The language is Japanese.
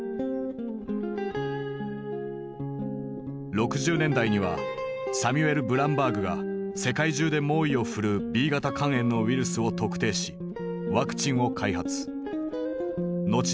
６０年代にはサミュエル・ブランバーグが世界中で猛威を振るうＢ型肝炎のウイルスを特定しワクチンを開発。